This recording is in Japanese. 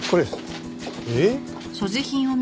えっ？